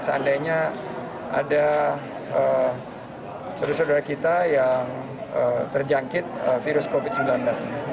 seandainya ada saudara saudara kita yang terjangkit virus covid sembilan belas ini